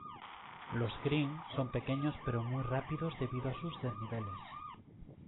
Los "green" son pequeños pero muy rápidos debido a sus desniveles.